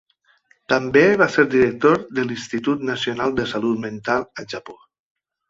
També va ser director de l'Institut nacional de salut mental a Japó.